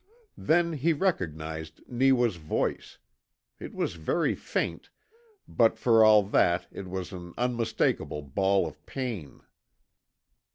Then he recognized Neewa's voice. It was very faint, but for all that it was an unmistakable bawl of pain.